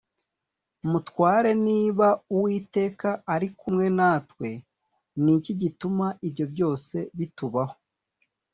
mutware niba uwiteka ari kumwe natwe ni iki gituma ibyo byose bitubaho